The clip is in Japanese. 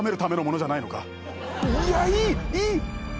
いやいいいい。